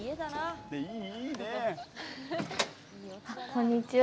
こんにちは。